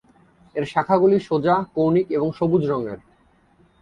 এর শাখাগুলি সোজা, কৌনিক এবং সবুজ রঙের।